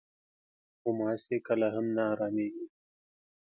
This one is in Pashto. غوماشې کله هم نه ارامېږي.